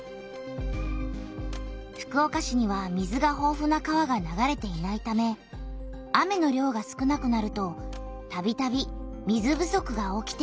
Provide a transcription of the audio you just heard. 福岡市には水がほうふな川が流れていないため雨の量が少なくなるとたびたび水不足が起きていた。